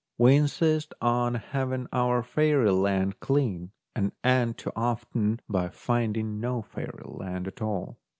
We insist on having our fairy lands clean and end, too often, by finding no fairy land at all.